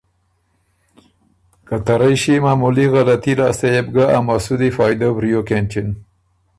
که ته رئ ݭيې معمُولي غلطی لاسته يې بو ګۀ ا مسُودی فائدۀ وریوک اېنچِن